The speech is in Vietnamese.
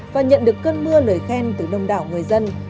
và nhận được cơn mưa lời khen từ đông đảo người dân